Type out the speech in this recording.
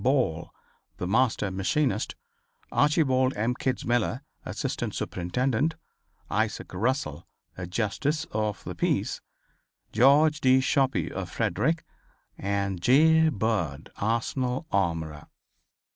Ball, the master machinist; Archibald M. Kitzmiller, assistant superintendent; Isaac Russell, a Justice of the Peace; George D. Shope, of Frederick and J. Bird, Arsenal armorer.